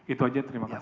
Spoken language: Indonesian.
itu saja terima kasih